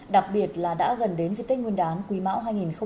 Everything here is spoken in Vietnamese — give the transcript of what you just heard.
đặc biệt là đã gần đến dịp tích nguyên đán quý mạo hai nghìn hai mươi ba